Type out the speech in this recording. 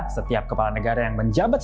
setiap kepala negara yang menjabat